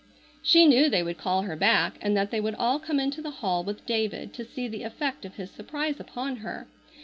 She knew they would call her back, and that they would all come into the hall with David to see the effect of his surprise upon her.